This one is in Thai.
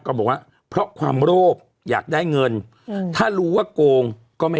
ขอบคุณนะครับขอบคุณนะครับขอบคุณนะครับ